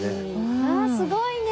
わあすごいね。